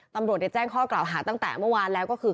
ตำรวจแจ้งข้อกล่าวหาตั้งแต่เมื่อวานแล้วก็คือ